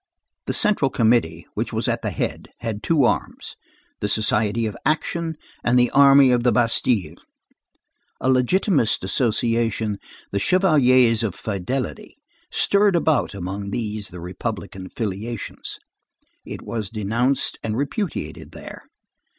The central committee, which was at the head, had two arms, the Society of Action, and the Army of the Bastilles. A legitimist association, the Chevaliers of Fidelity, stirred about among these the republican affiliations. It was denounced and repudiated there.